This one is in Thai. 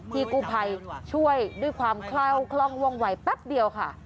กู้ภัยช่วยด้วยความเคล้าวคล่องว่องไหวแป๊บเดียวค่ะ